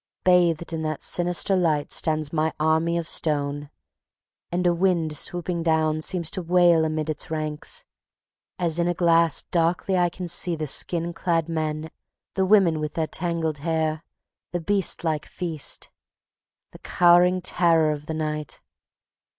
Bathed in that sinister light stands my army of stone, and a wind swooping down seems to wail amid its ranks. As in a glass darkly I can see the skin clad men, the women with their tangled hair, the beast like feast, the cowering terror of the night.